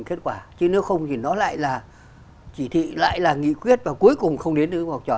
kết quả chứ nếu không thì nó lại là chỉ thị lại là nghị quyết và cuối cùng không đến được học trò